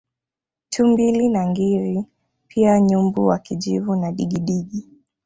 Tumbili na ngiri pia nyumbu wa kijivu na Digidigi